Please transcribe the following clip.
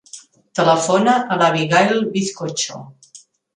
Telefona a l'Abigaïl Bizcocho.